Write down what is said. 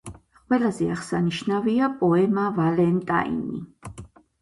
ყველაზე აღსანიშნავია პოემა „ვალენტაინი“.